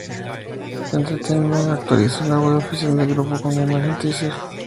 Entertainment actualizó el sitio web oficial del grupo con una imagen "teaser".